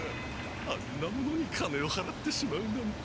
あんなものに金をはらってしまうなんて。